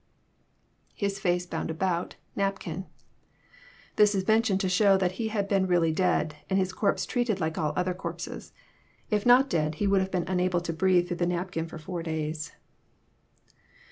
IHiaface hound about.. ^napkin,'] This is mentioned to show that he had been really dead, and his corpse treated like all other corpses. If not dead, he would have been unable to bi^athe through the napkin for four days.